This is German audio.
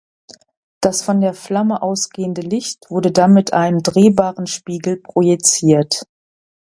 Das von der Flamme ausgehende Licht wurde dann mit einem drehbaren Spiegel projiziert.